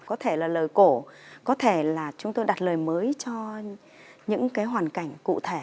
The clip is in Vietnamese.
có thể là lời cổ có thể là chúng tôi đặt lời mới cho những cái hoàn cảnh cụ thể